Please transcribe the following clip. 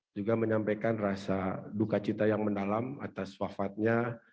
juga menyampaikan rasa duka cita yang mendalam atas wafatnya